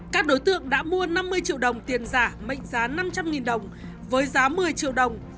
các đối tượng đã mua năm mươi triệu đồng tiền giả mệnh giá năm trăm linh đồng với giá một mươi triệu đồng